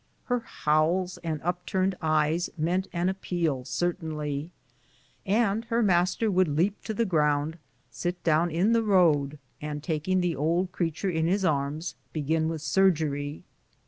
'" Her howls and upturned eyes meant an ap peal, certainly, and her master would leap to the ground, sit down in the road, and taking the old creature in his arms, begin the surgery.